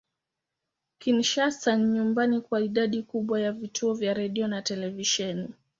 Kinshasa ni nyumbani kwa idadi kubwa ya vituo vya redio na televisheni.